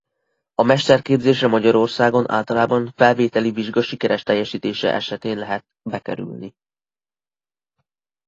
A mesterképzésre Magyarországon általában felvételi vizsga sikeres teljesítése esetén lehet bekerülni.